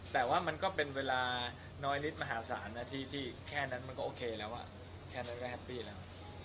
แต่ว่ามันก็เป็นเวลาน้อยนิดมหาศาลนะที่แค่นั้นมันก็โอเคแล้วแค่นั้นก็แฮปปี้แล้ว